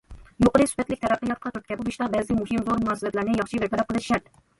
يۇقىرى سۈپەتلىك تەرەققىياتقا تۈرتكە بولۇشتا، بەزى مۇھىم، زور مۇناسىۋەتلەرنى ياخشى بىر تەرەپ قىلىش شەرت.